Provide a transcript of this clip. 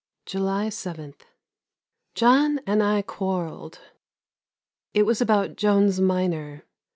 July 7. John and I quarrelled. It was about Jones minor.